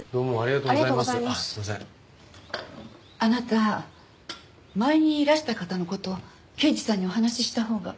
あなた前にいらした方の事刑事さんにお話ししたほうが。